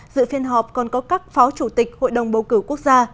dự phiên họp còn có các phó chủ tịch hội đồng bầu cử quốc gia